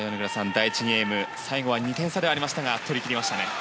第１ゲーム、最後は２点差ではありましたが取り切りましたね。